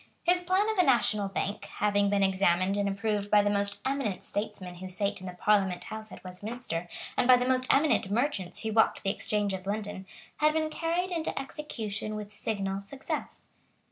His plan of a national bank, having been examined and approved by the most eminent statesmen who sate in the Parliament house at Westminster and by the most eminent merchants who walked the Exchange of London, had been carried into execution with signal success.